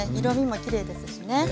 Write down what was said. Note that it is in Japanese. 色みもきれいですしね。